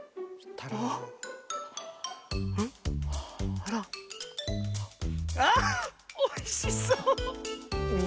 あら。あっおいしそう！